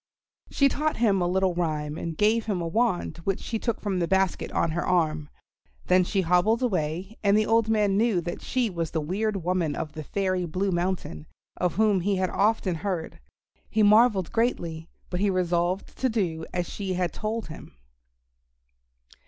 She taught him a little rhyme and gave him a wand which she took from the basket on her arm; then she hobbled away, and the old man knew that she was the weird woman of the Fairy Blue Mountain, of whom he had often heard. He marvelled greatly, but he resolved to do as she had told him.